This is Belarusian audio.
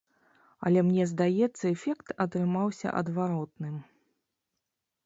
Але мне здаецца эфект атрымаўся адваротным.